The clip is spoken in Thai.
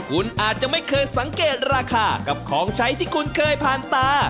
คุณอาจจะไม่เคยสังเกตราคากับของใช้ที่คุณเคยผ่านตา